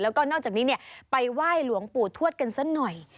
แล้วก็นอกจากนี้ไปไหว้หลวงปู่ทวดกันสักหน่อย